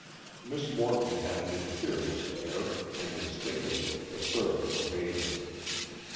Miss Morton had an imperious air, and instinctively the servants obeyed her.